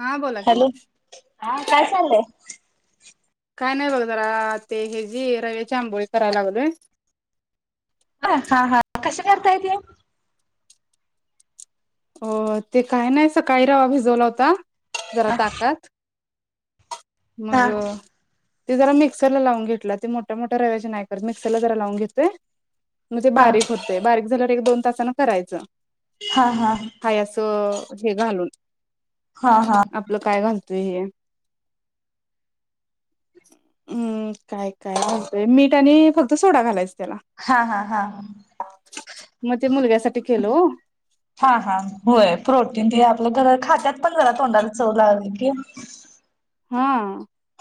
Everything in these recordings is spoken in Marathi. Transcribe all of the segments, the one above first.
हा बोला की हॅलो, हा काय चाललंय? काय नाही बघ जरा, ते हे जी रव्याची आंबोळी कराय लागलोय. ह हा हा कसे करतायत हे. अ ते काय नाही सकाळी रवा भिजवला होता. जरा ताकात. मग हा अह ते जरा मिक्सरला लावून घेतला, ते मोठ्या मोठ्या रव्याचे नाही करत मिक्सरला जरा लावून घेतय. मजे हा बारीक होते बारीक झाल्या एक-दोन तासानं करायच. हा हा हा हाय अस. हे घालून. हा हा आपलं काय घाल ते-हे हम् काय-काय लावतय मीठ आणि फक्त सोडा घालायच चला, हा हा मजे मुलगा साठी केलो. हा हा होय प्रोटीन द्या म्हटल कर खात्यात पण जरा तोंडाला चव लावली कि हा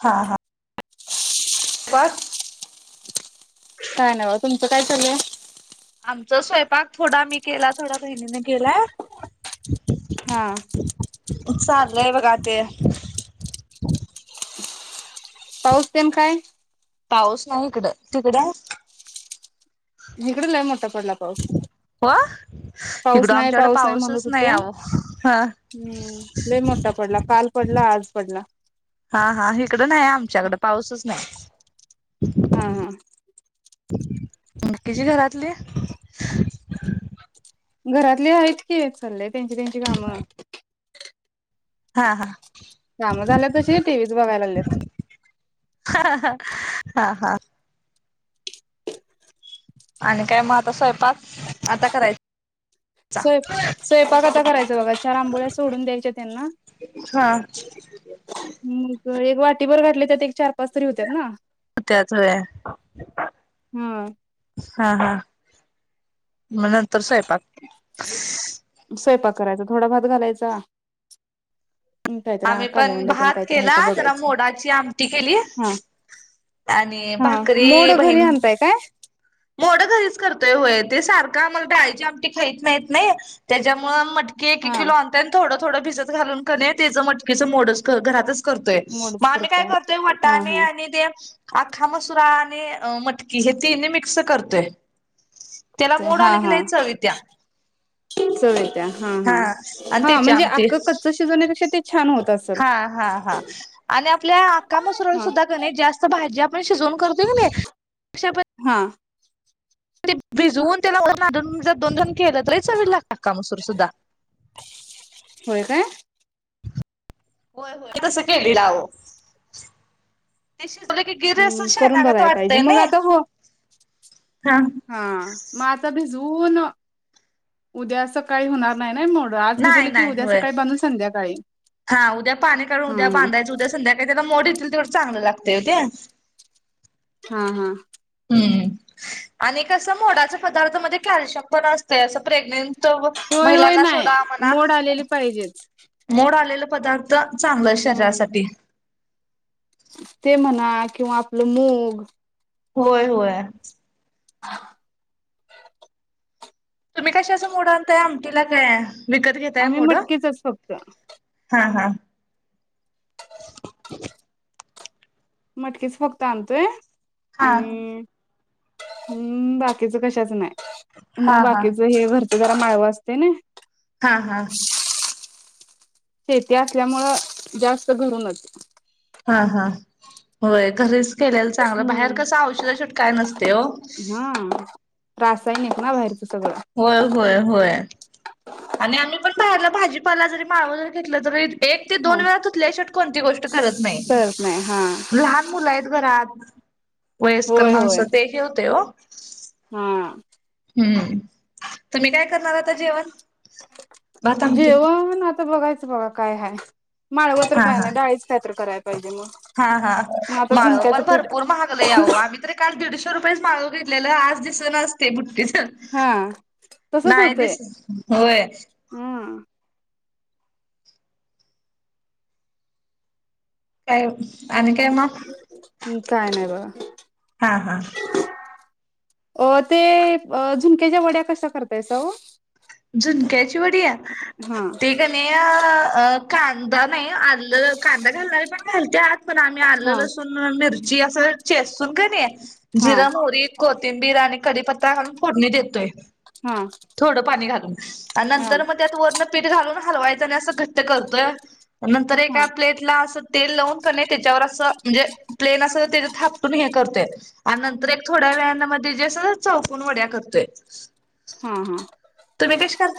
हा हा हाच काय नाय बा तुमचं काय चालय. आमच स्वयपाक थोडा मी केला, थोडा बहिणीने केला हा आ चालंय बघा ते, पाऊस तेम खाय. पाऊस नाही इकडं, तिकड. तिकड-लय मोठ. पडला पाऊस, हो पाऊस इकडं नाही आमच्याकडे पाऊस नाही पाऊसच म्हणत होता, आहो हा हम लय मोठा पडला काल पडला आज. पडला हा-हा इकडं नाही आमच्याकड पाऊसच नाही. ह-ह ह किचि घरातले, [inaudible] घरातले आहेत की इचलेत. त्यांची त्यांची कामं. हा हा. काम झाल्या तशी टी व्च बघायला लागलेत. हा हा. आणि काय मग आता स्वयंपाक आता करायच. स्वय स्वयंपाक आता करायचं बघा चार आंबोळ्या सोडून द्यायच्या त्यांना हा मग एक वाट [inaudible] घातले त्या एक च पसतरी होत्या ना त्याच होय हम. हा हा म नंतर स्वयपाक. स्वयपाक करायचा थोडा भात घालायचा. काहीतरी आम्ही पण कालवणला तेन भात काहीतरी आहे केला, का जरा बघायचं. मोडाची आमटी केली, हा आणि हा मोड भाकरी बहीण घरी आणताय काय मोड घरीच करतोय होय. ते सारखमायची आम खात नाहीत नाही त्याच्यामुळे के एक हा किलो आणतोय थोडं थडं भिजत घालून नाही, त्याचं मटकीचं मोडच घरातच करतोय मोडच मग आम्ही काय करताय. करतोय हा हा वटाणे आणि ते आखा मसुरा आणि मटकी हे तीन. फिक्स करते हा हा, चव त्या हा हा आणि हा त्याची म्हणजे आ आमटी कच्च शिजवण्यापेक्षा ते छान होत अस हा हा हा आणि आपल्या आका मसुराला हा सुद्धा गणेित जास्त भाजी आपण शिजवून करतोय की नाही ह. आणि भिजवून त्याला दोन दोन केलं तरी चचावी लागतकामसूर सुद्धा. होय काय हो हो तस केली लाव हम् करून बघाय पाहिजे मग आता हो हा मग आता भी जून उद्या असं काही होणार नाही ना मोड आज नाही भिजवले की नाही उद्या होय सकाळी बांधून संध्याकाळी हा उद्या पाणी काढून हा उद्या हा बांधायच उद्या संध्याकाळी त्याला मोडेत तेवढं चांगलं लागत होत्या हा हा ह् आणि कं मोडाच पदार्थ मध्ये कॅल्शियम पण असत असं प्रेग्नें होय होय महिलांना नाही सोडा म्हणा मोड आलेली पाहिजेच मोड आलेले पदार्थ तर चांगलं हम्म शरीरासाठी ते म्हणा किंवा आपलं मग होय होय तुम्ही कशा असं मोड आणताय आमटीला काय विकत घेतय आम्ही मोडं मटकीचच फक्त हा हां मटकीच फक्त आणतोय हा आणि हम्म बाकीच कशाच नाही हा मग हा बाकीच हे भर जरा माळवा असते ना हा हा शेती असल्यामुळं जास्त घडूने हा हा होय खरच केलायला चांगलं बाहेर हम्म. कसं औषधा ट काय नसते हो हा रासायनिक ना बाहेर होय होय होय आणि आम्ही पण बाहेरलं भाजीपाला जरी माव जर घेतलं तरी एक ते दोन हा वेळा तुचल्या शेट कोणती गोष्ट करत नाही सरत नाही हा लहान मुलं आहेत घरात वयस्कर होय होय माणसं तेही होते हो हा हम्म तर म्ी काय करणार आता जेवण भात आमटी जेव म्हण आता बघायचं बघा काय हय माळव तर हा काय हा नाही डाळीचही तर करायच हा हा माळ पण पीठ भरपूर महागलं याह आम्ही तरी काल दीड रुपये माळव घेतलेलं आज दिसन नसते बुट्टेस हा तसच होतंय होय हम् काय आणि काय मग काय नाही बघा हा हा अ ते झुणक्याच्या वड्या कसा करतायचा झुणक्याची वडीया हा ते कने या अ कांदा नाही आलं कांदा घालणारी पण घालते आत पण आम्ही आलं हा लसून मिर जी असं चेस्ून काणे हा जिराम हो र कोथिंबीर रा आणि कीपत्ता घाून फोडणी देतोय हा थोडं पाणी खा हा नंतर मग त्या वण पठ लून हलवायचं आणि असं घट्ट करतोय नंतर हा एका प्लेटला असं तेल लावून पणे त्याच्यावर असं म्हणजे प्लेन अस तर ते थापटून हे करते आणि नंतर एक थोड्या व्यायामध्ये जे अस चौकून वड्या करते हा हा.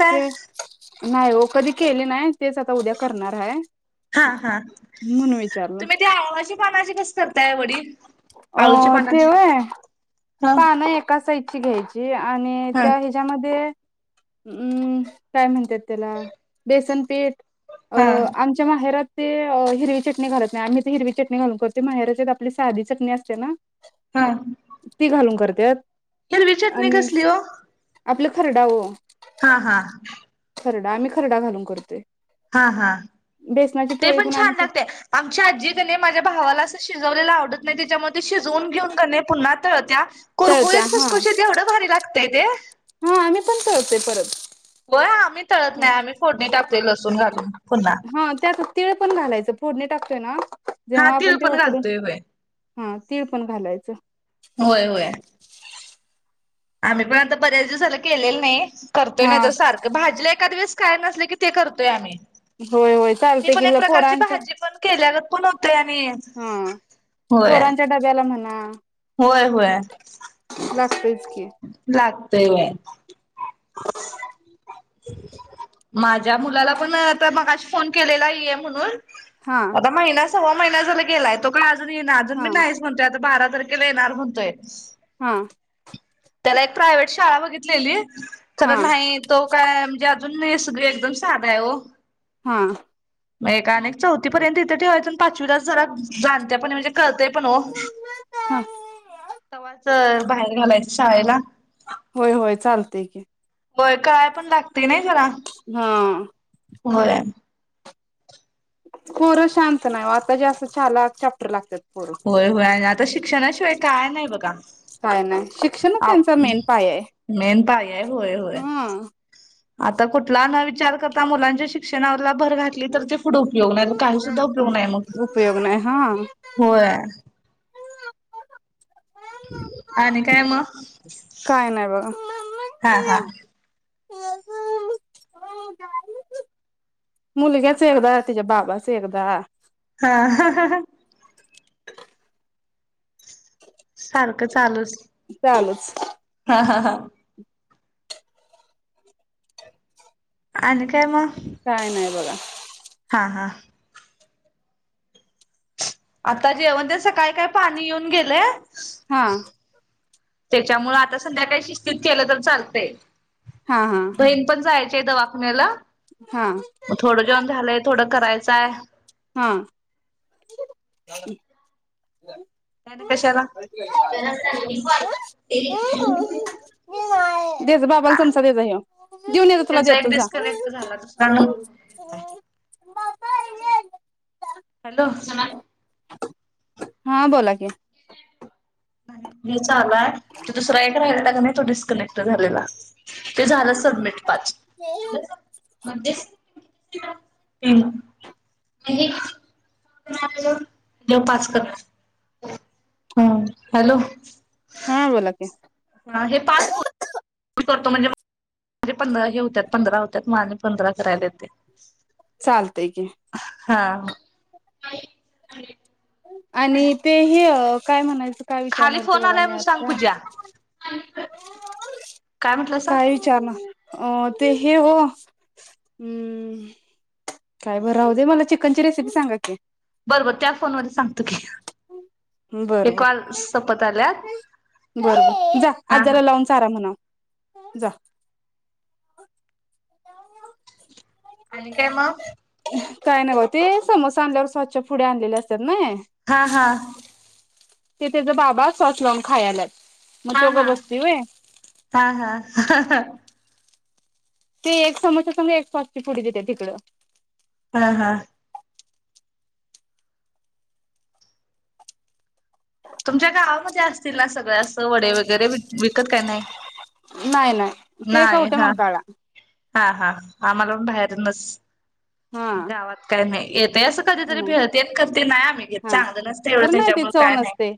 ते नाही हो कधी केले नाही. तेच आता उद्या करणार आहे. हा हा म्हणून विचारलं तुम्ही त्या आ पानाचे कस करताय वडील. अ तेवय हा पान एका साइड कशी घ्यायची. आणि हा त्या हिच्यामध्ये. हम्म काय म्हणतात, त्याला बेसन पीठ. अ हा आमच्या माहेरात. ते हिरवी चटणी घालत नाही, आम्ही ते हिरवी चटणी घालून करते, माहेरच्यात आपली साधी. चटणी असते ना. हा. ती घालून करतात. हिरवी चटणी कसली हो. आपलं खरडावो. खरडा आम्ही खरडा घालून करते. हा हा. ते पण आम्ही छान खूप लागते, आमच्या आजीने माझ्या भावाला असं शिजवलेला आव [unintelligible] त्याच्यामध्ये ते शिजवून घेऊन पुन्हा. तळत्यात. तळत्या कुरकुरत फस हा कुशी एवढं भारी लाग लागतय ते. हा आम्ही पण तळतोय परत हो आम्ही तळत नाही, आम्ही फोडणी टाको लसूण घालून पुन्हा. तिळ पण घालायचं, फोडणे टातोय ना. हा जेव्हा आपण तेल ते पण उकडून घालतोय वय. हा तीळ पण घालायचं. होय होय. आम्ही पण आता बऱ्याच दिवस झाल, केलेलं नाही. करतोय हा नाही तर सारखं, भाजीलं एखादवेळेस काय नसले की ते करतोय आम्ही होय होय ती चालते की, पण एक ल प्रकारची पोरांच्या भाजी पण केल्यागत पण होतंय आणि हा होय. पोरांच्या डब्याला म्हणा होय होय लागतोयच की लागतय होय. माझ्या मुलाला पण आता मगाशी फोन केलेला ये म्हणून हा आता महिना सवा महिना झाला गेलाय तो का येई ना अजूनी हा बी नाहीच म्हणतोय आता बारा तारख ला येणार म्हतोय हा त्याला एक प्राव्हेट शाळा बघितलेली हा खरं नाही तो काय म्हणजे अजून हे सगळे एकदम साधा आहे ओ हा म एकानेक चौथीपर्यंत इथे ठेवायचा पाचवीला जरा जाणत्या पणी म्हणजे कलतंय पण ओ हा तवाच बाहेर घालायचं शाळेला होय होय चालतय की, होय काय पण ला ते नाही जरा हा होय. पोर शांत नाय ओ आता जास्त चालाख चॅप्टर लागतात. पोरं होय होय आणि आता शिक्षणाशिवाय काय नाय बघा काय नाही शिक्षणच आ त्यांचा मेन पाया आहे मेन पाया आहे होय होय. हा आता कुठला न विचार करता मुलांच्या शिक्षणावर ला भर घातली तर ते पुुढे उपयोग नाही तर काही सुद्धा उपयोग नाय मग उपयोग नाही हा होय. आणि काय म काय नाही बघा हा. मुलग्याच आता एकदा त्याच्या बाबास च एकदा हा सारखं चालूच चालूच ह ह ह आणि काय म काय नाही बघा हा हा आता जेवण तेन, सकाळी काय पाणी येऊन गेलेय. हा त्याच्यामुळ आता संध्याकाळी शिस्तीत केलं तर चालतंय. हा हा बहीण पण जाय ते दवाखान्याला. हा मग थोडं जेऊन झालंय. थोडं करायचंय. हा. ते आणि कशाला? [unintelligible] देजा बाबाला चमचा देजा ह्यो. देऊन येजा तुला त्यांचा एक देतो जा. डिस्कनेक्ट झाला दुसरा नंबर हॅलो हा बोला की. हे चालुय ते दुसरां एक राहिलाता त्याने तो डिस्कनेक्ट झालेला. ते झालं सबमिट पाच. [unintelligible] जव पाच कर ह. हॅलो हा बोला की. हा हे पाच हो करतो म्हणजे म्हणे पंधरा हे होत्या पंधरा होत्या म आणि पंधरा करायला येते. चालत हा. [unintelligible] आणि ते ह काय म्हणायचं काय खाली विचारणार होत फोन बघा आलाय मी म्हणून सांग आता. पूजा काय म्हटलं सांग काय विचारणार? अ ते हे हो. काय बर राह दे मला चिकनची रेसिपी सांगा की. बरबर त्या फोनवर सांगतो की. बर हा बर कॉल सपत आल्यात्. बर बर जा हा हा आजाला लावून चारा म्हणाव जा. आणि काय म? काय नाही ब ते समोस आणल्यावर सॉसच्यां पुड्या आणलेल्या असतात. नई. हा हा ते त्याचा बाबा सॉस लावून खायाल्यात. मग हा त्यो गब हा बसतोय व्हय. [inaudible] ते एक समोस्या संग एक सॉसची पुडी देत्यात हीकडं. हा हा. तुमच्या गावामध्ये असतील ना सगळ असं वडे वगैरे विकत काय नाही नाही नाही तेच उठे मग काळा आ मला उड हरनस हा गावात काय नाही ते असं कधीतरी नाही भेळते करते नाही आम्ही घेत हा चांगलं नसतेवढं तर नाही ते त्याच्यामुळेळ चव काय नाही नसते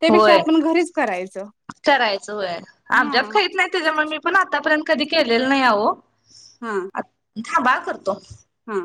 त्यापेक्षा होय आपण घरीच करायचं करायचं होय आमच्याप हा खहीत नाही त्याच्यामुळे मी पण आतापर्यंत कधी केलेल नाइ आओ. हा. थांबा करतो. हा.